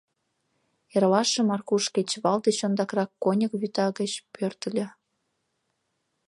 Эрлашым Аркуш кечывал деч ондакрак коньык вӱта гыч пӧртыльӧ.